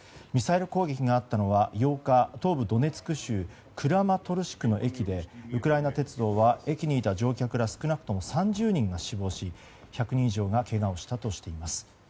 ミサイル攻撃があったのは８日、東部ドネツク州クラマトルシクの駅でウクライナ鉄道は駅にいた乗客ら少なくとも３０人が死亡し１００人以上がけがをしたとしています。